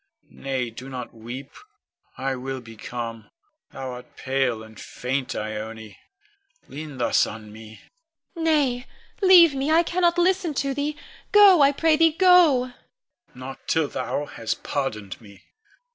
Nay, do not weep. I will be calm. Thou art pale and faint, Ione, lean thus on me. Ione. Nay, leave me; I cannot listen to thee. Go, I pray thee, go! Con. Not till thou hast pardoned me.